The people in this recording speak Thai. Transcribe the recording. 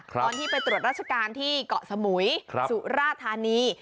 ตอนที่ไปตรวจรัชกาลที่เกาะสมุยสุฤาษณีย์